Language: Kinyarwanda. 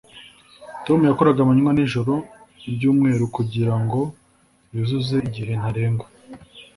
Tom yakoraga amanywa n'ijoro ibyumweru kugirango yuzuze igihe ntarengwa.